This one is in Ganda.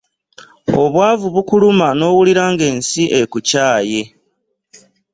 Obwavu bukuluma n'owulira ng'ensi ekukyaye.